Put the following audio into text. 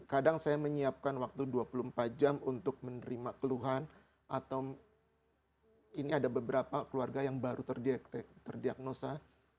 kadang saya menyiapkan waktu dua puluh empat jam untuk menerima keluhan atau ini ada beberapa keluarga yang baru terdiagnosa